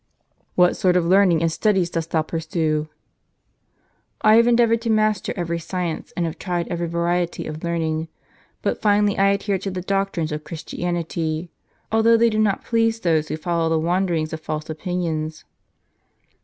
"What sort of learning and studies dost thou pursue? "" I have endeavored to master every science, and have tried every variety of learning. But finally I adhered to the doctrines of Christianity, although they do not please those who follow the wanderings of false opinions."